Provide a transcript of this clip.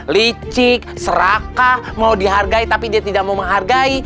licik serakah mau dihargai tapi dia tidak mau menghargai